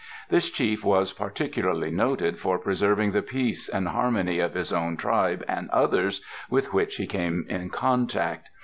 This Chief was particularly noted for preserving the peace and harmony of his own tribe and others with which he came in contact.